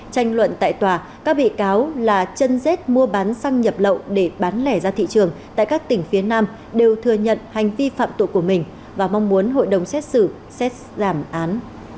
tranh luận tại tòa các bị cáo là chân rết mua bán xăng nhập lậu để bán lẻ ra thị trường tại các tỉnh phía nam đều thừa nhận hành vi phạm tội của mình và mong muốn hội đồng xét xử xét giảm án